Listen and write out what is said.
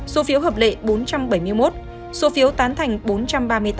số phiếu hợp lệ bốn trăm bảy mươi một số phiếu tán thành bốn trăm ba mươi tám